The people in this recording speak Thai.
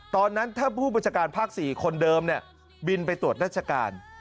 ตอนนั้นถ้าผู้บัญชาการภาค๔คนเดิมบินไปตรวจราชการ